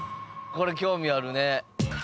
これ興味あるね。